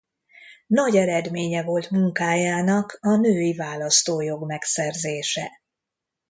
Nagy eredménye volt munkájának a női választójog megszerzése.